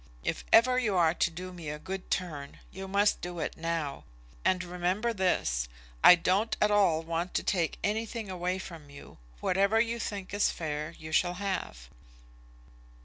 If ever you are to do me a good turn, you must do it now. And remember this, I don't at all want to take anything away from you. Whatever you think is fair you shall have."